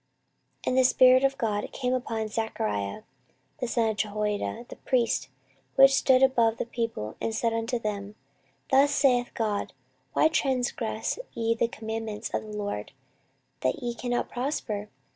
14:024:020 And the Spirit of God came upon Zechariah the son of Jehoiada the priest, which stood above the people, and said unto them, Thus saith God, Why transgress ye the commandments of the LORD, that ye cannot prosper?